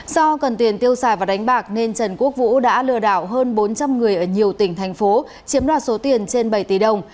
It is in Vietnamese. do cần tiền tiêu xài và đánh bạc nên trần quốc vũ đã lừa đảo hơn bốn trăm linh người ở nhiều tỉnh thành phố chiếm đoạt số tiền trên bảy tỷ đồng